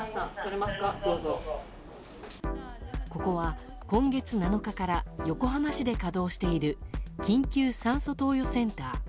ここは今月７日から横浜市で稼働している緊急酸素投与センター。